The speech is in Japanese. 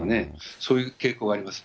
そういう傾向はあります。